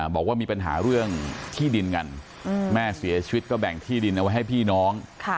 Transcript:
บอกว่ามีปัญหาเรื่องที่ดินกันแม่เสียชีวิตก็แบ่งที่ดินเอาไว้ให้พี่น้อง